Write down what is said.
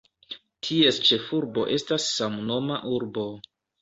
Ties ĉefurbo estas samnoma urbo.